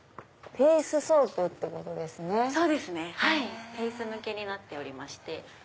フェース向けになっておりまして。